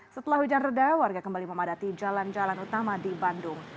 setelah hujan reda warga kembali memadati jalan jalan utama di bandung